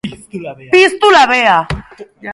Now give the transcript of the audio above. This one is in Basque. Piztu labea.